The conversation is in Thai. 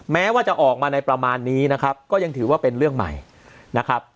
แม้ว่าจะออกมาในประมาณนี้นะครับก็ยังถือว่าเป็นเรื่องใหม่นะครับ